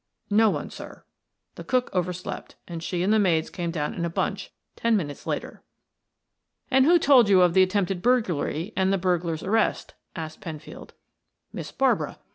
"No one, sir; the cook over slept, and she and the maids came down in a bunch ten minutes later." "And who told you of the attempted burglary and the burglar's arrest?" asked Penfield. "Miss Barbara.